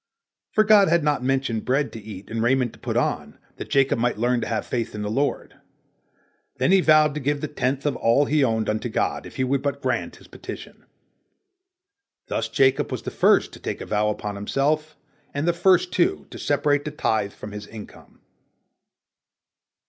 For God had not mentioned bread to eat and raiment to put on, that Jacob might learn to have faith in the Lord. Then he vowed to give the tenth of all he owned unto God, if He would but grant his petition. Thus Jacob was the first to take a vow upon himself, and the first, too, to separate the tithe from his income.